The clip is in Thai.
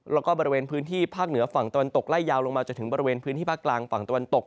แล้วก็บริเวณพื้นที่ภาคเหนือฝั่งตะวันตกไล่ยาวลงมาจนถึงบริเวณพื้นที่ภาคกลางฝั่งตะวันตก